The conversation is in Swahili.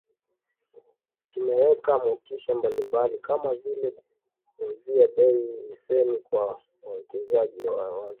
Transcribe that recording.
Tumeweka motisha mbalimbali kama vile kuwapunguzia bei za leseni kwa wawekezaji wazawa